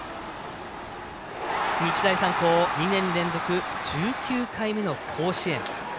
日大三高２年連続１９回目の甲子園。